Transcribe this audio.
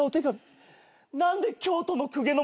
何で京都の公家の元に？